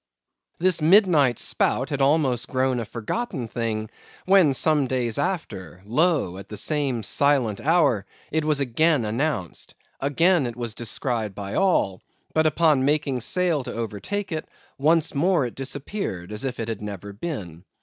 This midnight spout had almost grown a forgotten thing, when, some days after, lo! at the same silent hour, it was again announced: again it was descried by all; but upon making sail to overtake it, once more it disappeared as if it had never been.